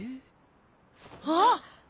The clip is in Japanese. あっ！